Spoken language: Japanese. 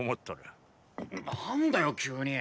何だよ急にィ。